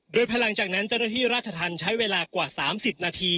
โดยภายหลังจากนั้นจับหน้าที่ราชธรรมชัยเวลากว่าสามสิบนาที